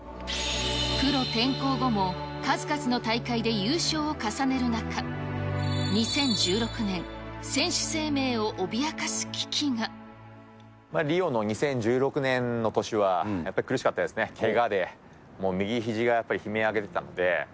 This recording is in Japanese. プロ転向後も数々の大会で優勝を重ねる中、２０１６年、リオの２０１６年の年は、やっぱり苦しかったですね、けがで、右ひじがやっぱり悲鳴上げてたんで。